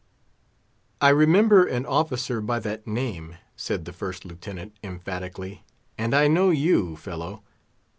"I remember an officer by that name," said the First Lieutenant, emphatically, "and I know you, fellow.